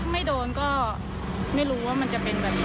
ไม่โดนก็ไม่รู้ว่ามันจะเป็นแบบนี้